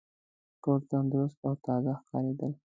ټول تندرست او تازه ښکارېدل.